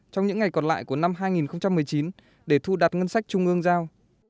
trong những ngày còn lại của năm hai nghìn một mươi chín để thu đạt ngân sách trung ương giao